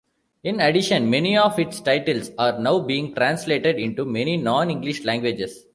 In addition, many of its titles are now being translated into many non-English languages.